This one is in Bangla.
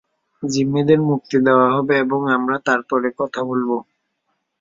জিম্মিদের মুক্তি দেওয়া হবে, এবং আমরা তার পরে কথা বলবো।